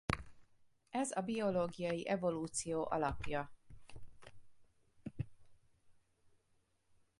Ez a biológiai evolúció alapja.